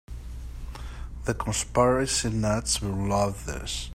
The conspiracy nuts will love this.